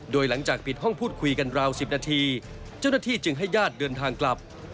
โดยหลังจากปิดห้องพูดคุยกันราว๑๐นาทีเจ้าหน้าที่จึงให้ญาติเดินทางกลับ